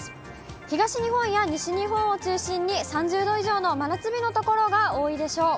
東日本や西日本を中心に、３０度以上の真夏日の所が多いでしょう。